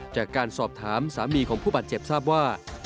จากการสอบถามสามีของผู้บาดเจ็บทราบว่า